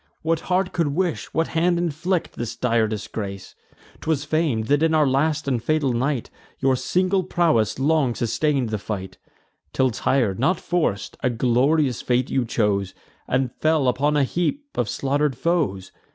What heart could wish, what hand inflict, this dire disgrace? 'Twas fam'd, that in our last and fatal night Your single prowess long sustain'd the fight, Till tir'd, not forc'd, a glorious fate you chose, And fell upon a heap of slaughter'd foes.